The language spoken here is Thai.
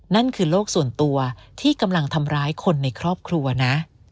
นั่นคือโลกส่วนตัวที่กำลังทำร้ายคนในครอบครัวนะ